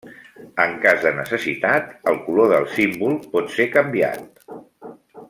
En cas de necessitat el color del símbol pot ser canviar.